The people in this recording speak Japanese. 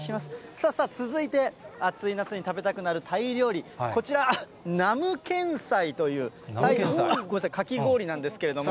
さあさあ、続いて、暑い夏に食べたくなるタイ料理、こちら、ナムケンサイというタイのかき氷なんですけれども。